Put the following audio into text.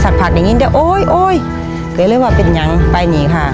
สัตว์ผักอย่างงี้เดี๋ยวโอ๊ยโอ๊ยเดี๋ยวเลยว่าเป็นยังไปนี่ค่ะ